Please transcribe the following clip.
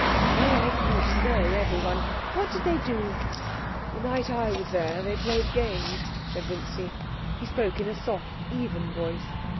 'How like you to know everyone. What did they do?' 'The night I was there they played games,' said Vincy. He spoke in a soft, even voice.